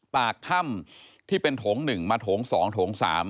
ปากถ้ำที่เป็นโถง๑มาโถง๒โถง๓